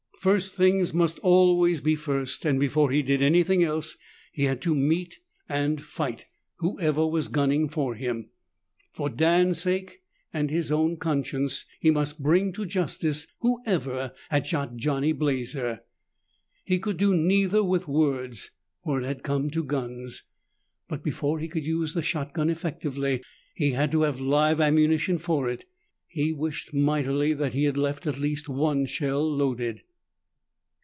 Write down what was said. First things must always be first, and before he did anything else he had to meet, and fight, whoever was gunning for him. For Dan's sake, and his own conscience, he must bring to justice whoever had shot Johnny Blazer. He could do neither with words, for it had come to guns. But before he could use the shotgun effectively, he had to have live ammunition for it. He wished mightily that he had left at least one shell loaded.